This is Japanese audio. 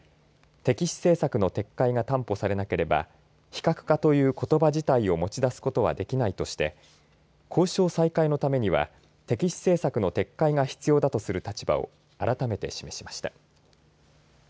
敵視政策の撤回が担保されなければ非核化ということば自体を持ち出すことができないとして交渉再開のためには敵視政策の撤回が必要であるとする立場を改めて示しました。